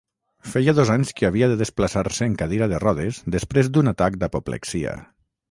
Feia dos anys que havia de desplaçar-se en cadira de rodes després d'un atac d'apoplexia.